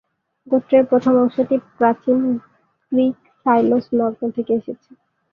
গোত্রের প্রথম অংশটি প্রাচীন গ্রিক সাইলোস"নগ্ন" থেকে এসেছে।